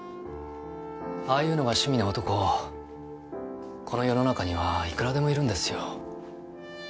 ああいうのが趣味な男この世の中にはいくらでもいるんですよ。